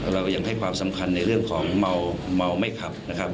เราก็ยังให้ความสำคัญในเรื่องของเมาไม่ขับนะครับ